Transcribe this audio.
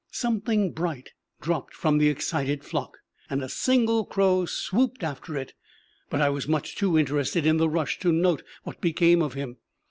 Something bright dropped from the excited flock, and a single crow swooped after it; but I was too much interested in the rush to note what became of him.